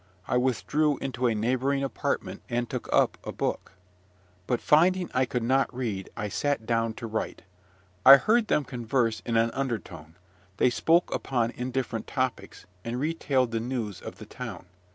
I withdrew into a neighbouring apartment, and took up a book; but, finding I could not read, I sat down to write. I heard them converse in an undertone: they spoke upon indifferent topics, and retailed the news of the town.